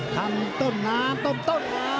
ทำต้นน้ำต้นต้นน้ำ